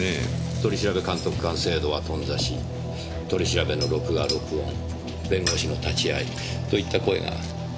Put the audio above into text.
取調監督官制度は頓挫し取り調べの録画録音弁護士の立ち合いといった声が大きくなるかもしれません。